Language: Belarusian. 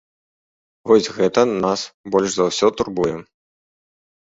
Вось гэта нас больш за ўсё турбуе.